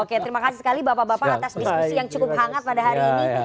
oke terima kasih sekali bapak bapak atas diskusi yang cukup hangat pada hari ini